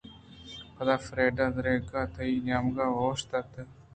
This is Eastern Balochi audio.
پدا فریڈا دریگءِ تہی نیمگ ءَ اوشتات